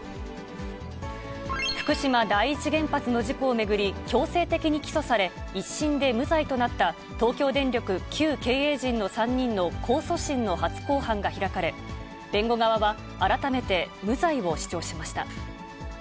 福島第一原発の事故を巡り、強制的に起訴され、１審で無罪となった東京電力旧経営陣の３人の控訴審の初公判が開かれ、弁護側は改めて無罪を主張しました。